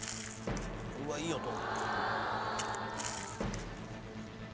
うわいい音！